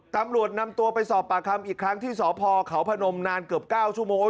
ตำรวจนำตัวไปสอบปากคำอีกครั้งที่สพเขาพนมนานเกือบ๙ชั่วโมง